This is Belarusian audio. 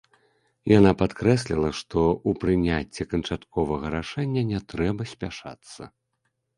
Яна падкрэсліла, што ў прыняцці канчатковага рашэння не трэба спяшацца.